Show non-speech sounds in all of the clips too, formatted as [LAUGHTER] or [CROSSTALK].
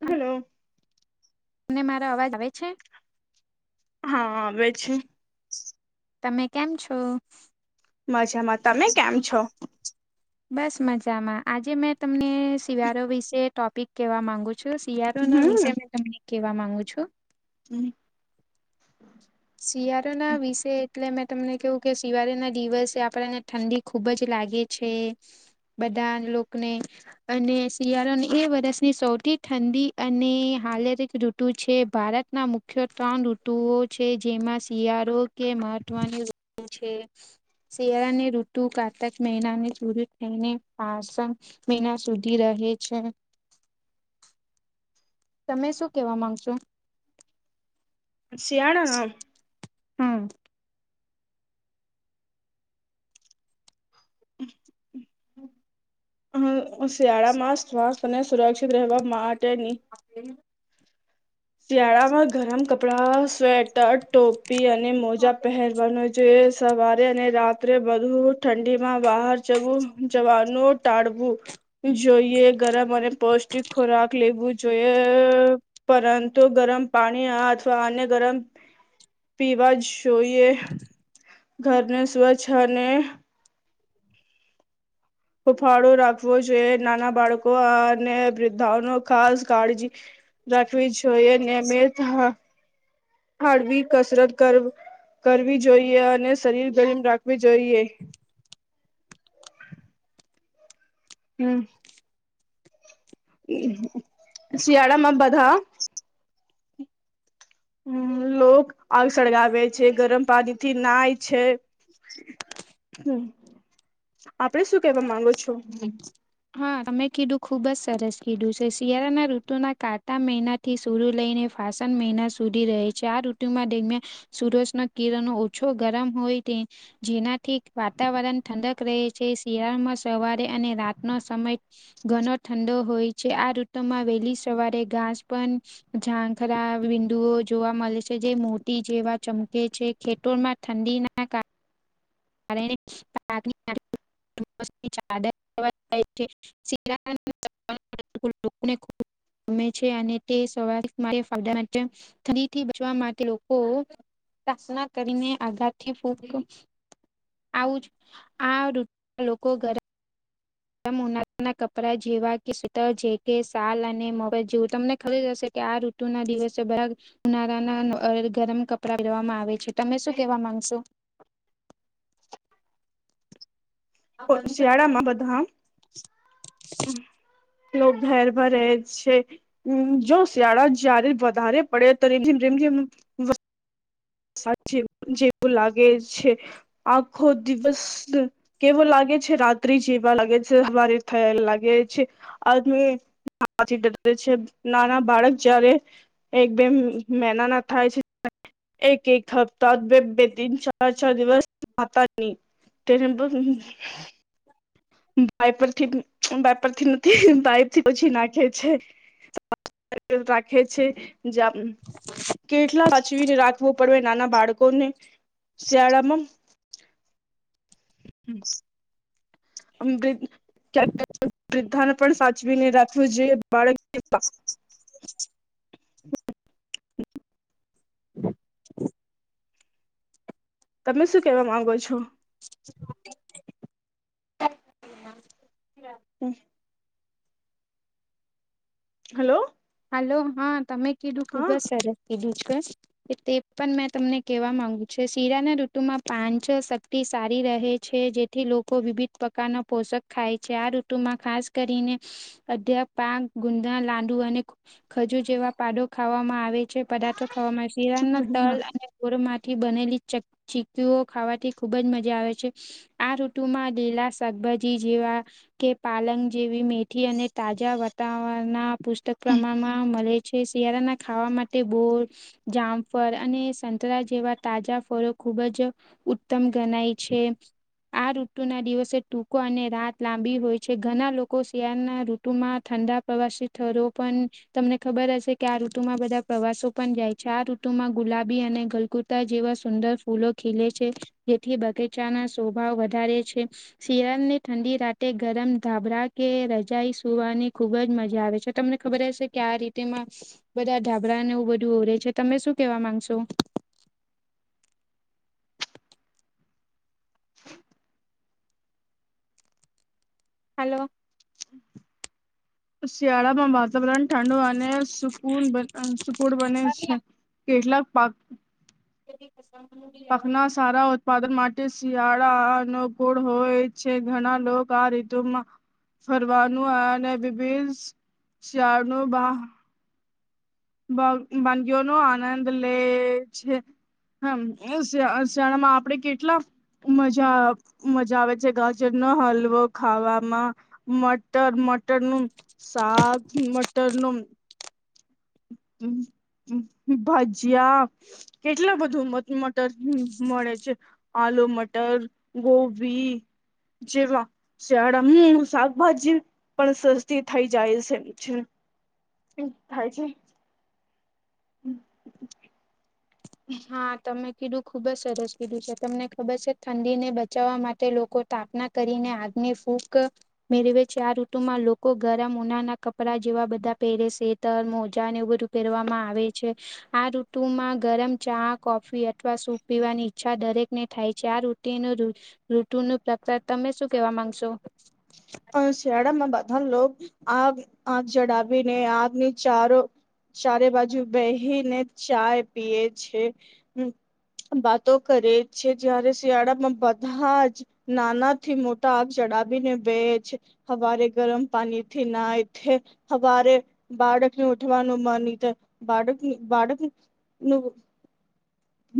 Hello. અનેને મારો અવાજ આવે છે. હા વ છે. તમે કેમ છો. મજામાં તમે કેમ છો. બસ મજામાં આજે મેં તમને શિવારો વિશે ટોપિક કેવા માંગુ છ. જો શિયાળો ના હમ વિષય મે તમને કેવા માંગુ છું. હમ. શિયાળો ના વિષ એટલે મેં તમને કેવું કે શિવાળ ના દિવસે આપેને ઠંડી. ખુબ જ લાગે છે બધા લોકોને. અને શિયાળોની એ વરષની સૌથી ઠંડી અને હા ર. ઋતુ છે ભારતના મુખ્ય ત્રણ ઋતુઓ. છે જેમાં શિયાળો કે મહત્વની વ છે. શિયાળાને ઋતુ કાતક મેના ને ચૂરી થઈને પાસન. મહિના સુધી રહે છે. તમે શું કેવા માંગશો. શિયાણા. હમ. [INAUDIBLE] હ શિયાળા માં શ્વાસ અને સુરક્ષિત રહેવા માટેની આપણે શિયાળામાં ગરમ કપડા સ્વેટર ટોપી અને મોજા પહેર. જોઈએ સવારે અને રાત્રે બધું ઠંડી માં બહાર જવું જવાનું. તાળવું. જોઈએ ગરમ અને પૌષ્ટિક ખોરાક લેવું જોઈએ પરંતુ. તો ગરમ પાણી અ અથવા અન્ય ગરમ પીવા જ જોઈએ ઘરને સ્વચ્છ અને હુફાળો રાખવો જોઈએ નાના બાળકો અને વૃદ્ધાઓનો ખાસ કાળજી રાખવી જોઈએ ને મેહ હાળવી કસરત કર કરવી જોઈએ અને શરીર ગરીમ રાખવી જોઈએ હમ શિયાળામાં બધા હમ લોક આગ સળગાવે છે ગરમ પાણીથી નાય છે હમ આપડે શું કેવા માંગો છો હા તમે કીધું ખુબ જ સરસ કીધું છે શિયાળાના ઋતુના કાંટા મેના થી શુરુ લઈને ફાસન મહિના સુધી રહે છે આ ઋતુમાં દરમિયાન સુૂરજના કિરણો ઓછો ગરમ હોય તે જેનાથી વાતાવરણ ઠંડક રહે છે શિયાળમાં સવારે અને રાતનો સમય ઘણો ઠંડો હોય છે આ ઋતુમાં વહેલી સવારે ઘાસ પણ ઝાંખરા બિંદુઓ જોવા મળે છે જે મોટી જેવા ચમકે છે તુંર માં ઠંડી ના કાર અને [INAUDIBLE] [UNINTELLIGIBLE] [UNINTELLIGIBLE] લોકોને ખ ગમે છે અને તે સવાર ફાયદા માટે ફરીથી બચવા માટે લોકો પ્ર્થના કરીને આગાળથી [INAUDIBLE] આવું જ આ ઋતુ લોકો ઘરા ઉનાળાના કપડા જેવા કે સ્વેટર જેકે સાલ અને મોજા જેવું તમને ખબર હશે કે આ ઋતુ તું ના દિવસો બાર ઉનાળના ગરમ કપડા પેરવામાં આવે છે તમે શું કેવા માંગશો શિયાળામાં બધા લોક ઘેર ભ રહે છે જો શિયાળા જયારે વધારે પડે તો રીમ જિમ સાજે જેવું લાગે છે આખો દિવસ કેવો લાગે છે રાત્રિ જેવા લાગે છે હ હવારે થયા લાગે છે [UNINTELLIGIBLE] ડરે છે નાના બાળક જયારે એક બેમ મેનાના થાય છે એક એક હપ્તાત બે બેદીન ચાર ચાર દિવસ નાતાની [UNINTELLIGIBLE] વાઈપ પરથી વાઈ પરથી નથી વાઈપથી પછી નાખે છે [INAUDIBLE] રાખે છે જ જામ કેટલા સાચવીને રાખવું પડે નાના બાળકોને શિયાળામાં હમ [INAUDIBLE] વૃદ્ધાને પણ સાચવી ને રાખવું જોઈએ બાળક કરતા હ [INAUDIBLE] તમે શું કેવા માંગો છો હમ હાલો. હલો હા તમે કીધું ખૂબ જ સરસ કીધું કે તે પણ મેં તમને કેવા માંગુ છે શીરાના ઋતુમાં પાં છ શક્તિ સારી રહે છે જે. થી લોકો વિવિધ પ્રકારના પોષક ખાય છે આ ઋતુમાં ખાસ કરીને અધ્યા પાક ગુંદા લાંડુ અને ખજુર જેવા પાડો ખાવામાં આવે છે પદાર્થો ખાવામાં આવે છે શિયાળા ચુપ મા રહી તલ અને ર માંથી બનેલી ચ ચીકીઓ ખાવાથી ખુબ જ મજા આવે છે આ ઋતુ માં લીલા શાકભાજી જેવા કે પાલંગ જેવી મેથી અને તાજા વાતાવરણ ના પુસ્તક પ્રમાણમાં મળે. છે શિયાળાના ખાવા માટે બો જામફળ અને સંતરા જેવા તાજા ફળો ખુબ જ ઉત્તમ ગણાય છે. આ ઋતુ ના દિવસે ટૂંકો અને રાત લાંબી હોય છે ઘણા લોકો શિયાળનાઋ માં ઠંડા પ્રવાસી થરો પણ તમને ખબર હશે કે આ ઋતુમાં બધા પ્રવાસો પણ જાય છે આ ઋતુમાં ગુલાબી અને ગલગુટ જેવા સુંદર ફૂલો ખીલે છે જેથી બગીચા ના સોભા વધારે છે. શીરાલની ઠંડી રાતે ગરમ ધાબળા કે રજાાઈ સુવાની ખુબજ મજા આવે છે. તમને ખબર હશે કે આ રીતેમાં બધા ધાબરા ને એવું બધું ઓવરે છે તમે શું કેવા માંગશો? હમ હાલો શિયાળામાં વાતાવરણ ઠંડુ અને સુકૂ સુકુળ બને છે. કેટલાક પાક એ [INAUDIBLE] પખના સારા ઉત્પાદન માટે શિયાળ અનુકૂળ હોય છે ઘણા લોકો આ રીતુમાં ફરવાનું અનેભિ શળ ન વાનગીઓ નો આનંદ લે છે. હમ શ શિયાળમાં આપડે કેટલા મજા મજા આવે છે ગાજર ન હલવો ખાનામાં. મટર મટર ન સાક મટર નુ ભાજિયા કેટલા બધું મટર મળે છે. આલુ મટર ગોભી જેવા શિયાળા હમ શાકભાજી પણ સસ્તી થઈ જાય છે એમ છે. થાય છે હ હા તમે કીધું ખુબ જ સરસ કીધું છે તમને ખબર છે ઠંડીને બચાવવા માટે લોકો સ્થાપના કરીને આગની ફૂક મે રવે ચાર ઋતુ માં લોકો ગરમ ઉના ના કપડા જેવા બધા પહેરે છે. ર મોજા નેવું બધું પહેરવામાં આવે છે આ ઋતુમાં ગરમ ચા કોફી અથવા સૂપ પીવાની ઈચ્છા દરેકને થાય છે આ રુટિન ઋતુ ન પ્રકાર તમે શું કેવા માંગશો? પણ શિયાળામાં બધા લો આગ આગ ચડાવીને આગની ચારો ચારે બાજુ બેહી ને ચાય પીએ છે હ વાતો કરે છે જયારે શિયાળામાં બધા જ નાના થી મોટા આગ ચડાવીને બે હ ગરમ પાણીથી ના થ હ બાળકને ઉઠવાનું માનિત બાળક બાળકનું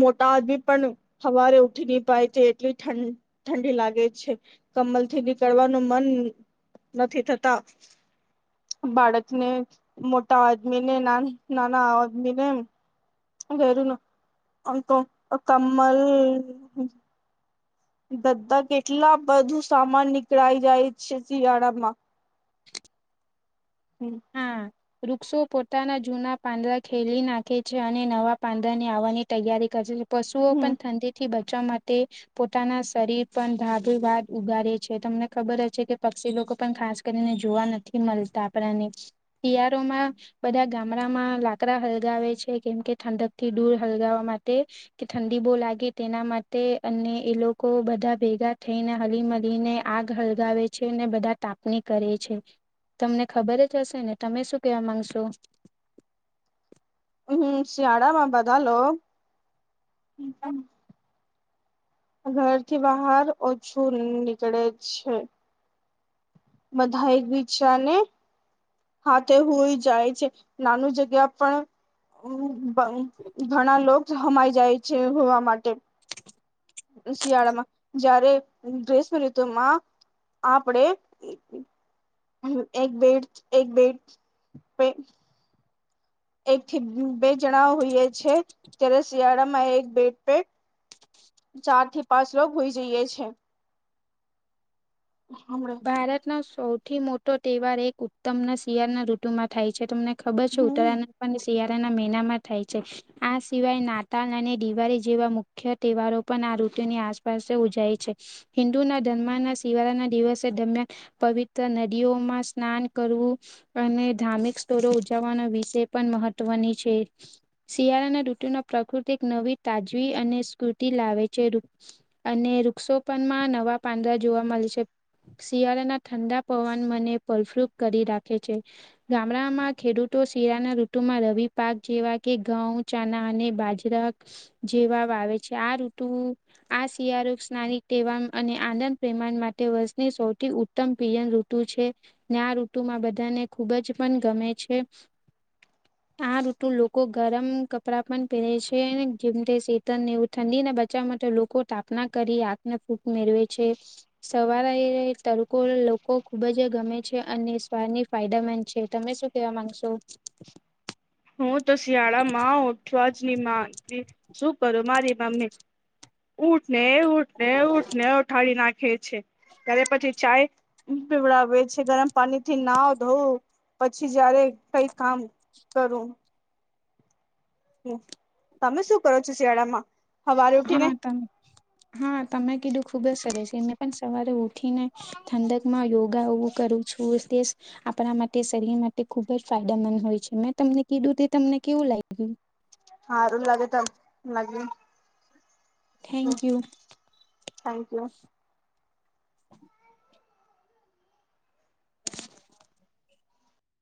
મોટા આદમી પણ હવારે ઉઠી નહી પાય છે એટલી ઠંડ. ઠંડી લાગે છે કમલ થી નીકળવાનું મન નથી થતા. બાળક ને મોટા આદમીને ના નાના આદમીને. વરું ન અ તો કમ્મલ. દધા કેટલા બધું સામાન નીકળાય જાય છે શિયાળામાં. [INAUDIBLE] હમ. હા. વૃક્ષો પોતાના જૂના પાંદડા ખેલી નાખે છે અને નવા પાંદડાને આવવાની તૈયારી કરે છે. પશુઓ પણ ઠંડી થી બચવા માટે પોતાના શરીર પણ ભાભભદ ઉગાડે છે તમને ખબર હ છે કે પક્ષી લોકો પણ ખાસ. કરીને જોવા નથી મળતા પણ એને. તયારોમાં. બધા ગામડામાં લાકડા હલગાવે છે કેમ કે ઠંડક થી દૂર હલગાવવા માટે. કે ઠંડી બહ લાગે તેના માટે અને એ લોકો બધા ભેગા થઈને હળ મળીને. આગ હળગાવે છે ને બધા તાપણી કરે છે તમને ખબર જ. જશે ને તમે શું કેવા માંગશો. હમ શિયાળામાં બધા લો. ઘર થી બહાર ઓછું નીકળે છે. બધા બીજ શા ને. હા તે હોય જાય છે નાનું જગ્યા પણ ઘણા લોકો હમાઈ જાય છે હોવા માટે. શિયાળામાં જયારે ગ્રેષમ ઋતુમાં આપણેે એક બેડ, એક બેડ પે એક થી બે જણા હોઈએ છે, ત્યારે શિયાળામાં એક બેટ પેટ ચાર થી પાંચ લોકો હોય જઈએ છે. હ [UNINTELLIGIBLE] ભારતનો સૌથી મોટો તહેવાર એક ઉત્તમના શિયાળના ઋતુમાં થાય છે. તમને ખબર છે. હમ ઉત્તરાયણ પણ શિયાળાના મહિનામાં થાય છે. આ સિવાય નાતાલ અને દિવાળી જેવા મુખ્ય તહેવારો પણ આ ઋતુની આસપાસ ઉજાય છે. હિન્દુના ધર્મના શિવાળાના દિવસ દરમિયાન પવિત્ર નદીઓમાં સ્નાન કરવું. અને ધાર્મિક સ્થળ ઉજવવાનો વિષય પણ મહત્વની છે. શિયાળાના ૠતુમાં પ્રકૃતિ એક નવી તાજવી અને સ્કૃતિ લાવે છે. અને વૃક્ષોપનમાં નવા પાંદડા જોવા મળે છે. શિયાળાના ઠંડા પવન મને પલફલુપ કરી રાખે છે. ગામડામાં ખેડૂતો શિયાળાની ઋતુમાં રવિ પાક જેવા કે ઘઉં ચાના અને બાજરા જેવા આવે છે. આ ઋતુ આ શિયાળો સ્નાનિક તેવા અને આનંદ પ્રમાણ માટે વ ને સૌથી ઉત્તમ પિયન ઋતુ છે. ને આ ઋતુમાં બધાને ખૂબ જ પણ ગમે છે. આ ઋતુ લોકો ગરમ કપડા પણ પહેરે છેને જેમતે શેતન નેવ ઠંડીના બચાવવા માટે લોકો તાપના કરી આખને ફૂક મેળવે છે. સવારે તડકો લોકો ખુબ જ ગમે છે અને સ્વાદની ફાયદા મંદ છે. તમે શું કેવા માંગશો? હું તો શિયાળામાં ઓઠવા જની માંગ શું કરું, મારી મમ્મી. ઉટ ને ઉટને ઉટને ઉઠાડી નાખે છે ત્યારે પછી ચાય પીવડાવે છે. ગરમ પાણીથી નાવ, ધોવું પછી જયારે કઈ કામ કરું. તમે શું કરો છો? શિયાળામાં. હવારે ઉઠીને હા, ત હા તમે કીધું ખુબ જ સર છે. એમને પણ સવારે ઉઠ ઉઠીને ઠંડકમાં યોગા એવું કરું છું. [INAUDIBLE] આપણા માટે શરીર માટે ખુબ જ ફાયદામંદ હોય છે. મેં તમને કીધું તે તમને કેવું લાય હારું લાગે ત લાગે. હમ થેન્કયુ. Thank you.